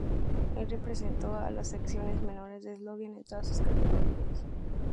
Él representó a las selecciones menores de Eslovenia en todas sus categorías.